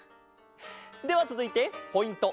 ではつづいてポイント